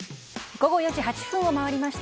午後４時８分を回りました。